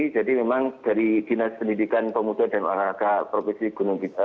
jadi memang dari dinas pendidikan pemuda dan orang laka provinsi gunung bintang